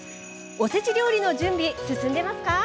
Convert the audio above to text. おせち料理の準備進んでいますか？